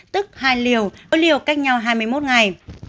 tức hai liều có liều cách nhau hai mươi một ngày